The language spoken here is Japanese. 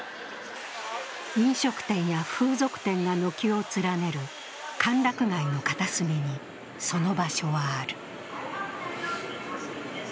飲食店や風俗店が軒を連ねる歓楽街の片隅に、その場所はある。